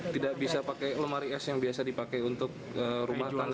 tidak bisa pakai lemari es yang biasa dipakai untuk rumah tangga